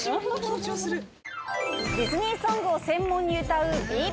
ディズニーソングを専門に歌う。